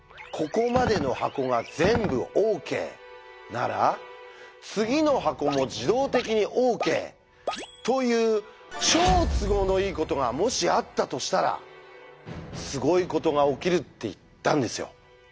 なら次の箱も自動的にＯＫ！」という超都合のいいことがもしあったとしたらすごいことが起きるって言ったんですよ。